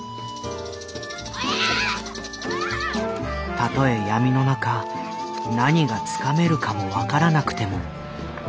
「たとえ闇の中何がつかめるかも分からなくても。